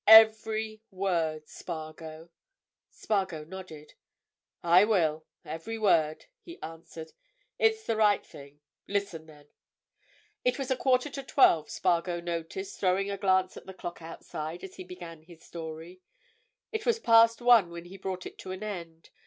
Every word, Spargo!" Spargo nodded. "I will—every word," he answered. "It's the right thing. Listen, then." It was a quarter to twelve, Spargo noticed, throwing a glance at the clock outside, as he began his story; it was past one when he brought it to an end.